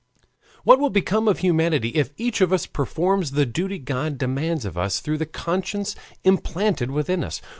What will become of humanity if each of us performs the duty God demands of us through the conscience implanted within us?